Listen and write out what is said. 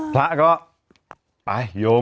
พระก็ไปโยม